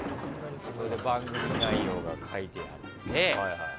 番組内容が書いてあって。